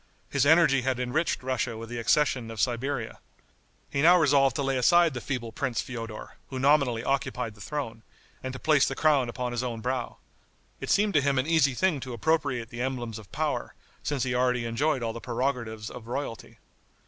His energy had enriched Russia with the accession of Siberia. He now resolved to lay aside the feeble prince Feodor, who nominally occupied the throne, and to place the crown upon his own brow. It seemed to him an easy thing to appropriate the emblems of power, since he already enjoyed all the prerogatives of royalty.